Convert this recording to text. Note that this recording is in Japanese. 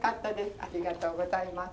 ありがとうございます。